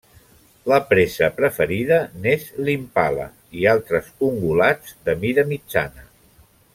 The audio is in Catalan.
La presa preferida n'és l'impala i altres ungulats de mida mitjana.